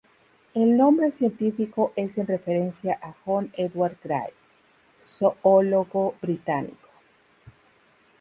El nombre científico es en referencia a John Edward Gray, zoólogo británico.